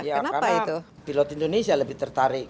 karena itu pilot indonesia lebih tertarik